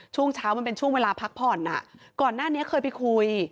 ช่วงเช้ามันเป็นช่วงเวลาพักผ่อนก่อนหน้านี้เคยไปคุย